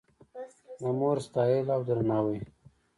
د مور ستایل او درناوی